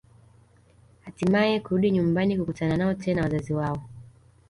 Hatimaye kurudi nyumbani kukutana nao tena wazazi wao